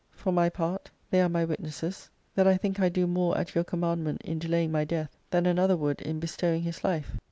For my part, they are my witnesses that I think I do more at your <x>mmandment in delaying my death than another would in bestowing his life.